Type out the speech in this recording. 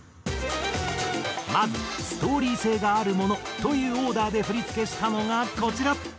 まずストーリー性があるものというオーダーで振付したのがこちら。